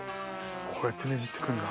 こうやってねじっていくんだ。